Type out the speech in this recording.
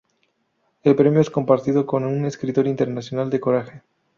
El premio es compartido con un escritor internacional de coraje.